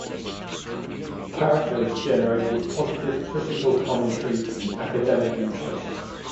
The character has generated positive critical commentary and academic interest.